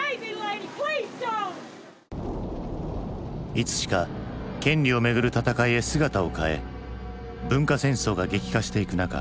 いつしか権利をめぐる闘いへ姿を変え文化戦争が激化していく中